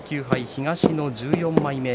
東の１４枚目。